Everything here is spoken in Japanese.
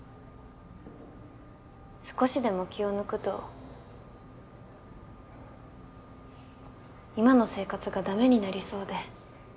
少しでも気を抜くと今の生活がダメになりそうで。